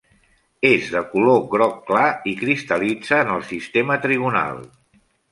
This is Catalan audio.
És de color groc clar i cristal·litza en el sistema trigonal.